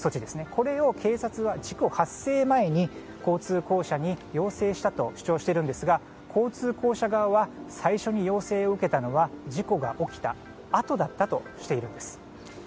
これを警察は事故発生前に交通公社に要請したと主張しているんですが交通公社は最初に要請を受けたのは事故が起きたあとだったとしているんです。